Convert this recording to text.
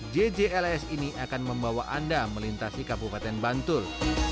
jjls ini akan membawa anda melintasi kabupaten bantul